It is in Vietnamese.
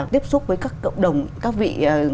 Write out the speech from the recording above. tiếp xúc với các cộng đồng các vị